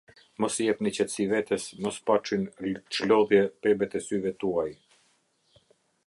Mos i jepni qetësi vetes, mos paçin çlodhje bebet e syve tuaj.